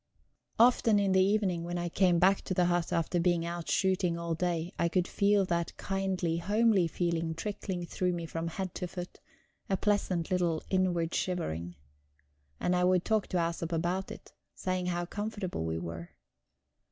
Often in the evening, when I came back to the hut after being out shooting all day, I could feel that kindly, homely feeling trickling through me from head to foot a pleasant little inward shivering. And I would talk to Æsop about it, saying how comfortable we were.